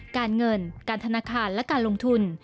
การเงินการธนาคารและการลงทุน